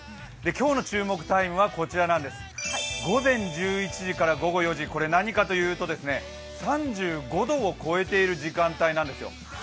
今日の注目タイムは午前１１時から午後４時、何かというと３５度を超えている時間帯なんですよ。